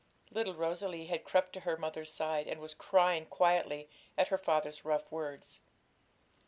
Little Rosalie had crept to her mother's side, and was crying quietly at her father's rough words.